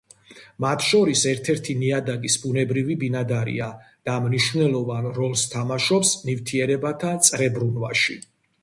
მათ შორის ერთ-ერთი ნიადაგის ბუნებრივი ბინადარია და მნიშვნელოვან როლს თამაშობს ნივთიერებათა წრებრუნვაში.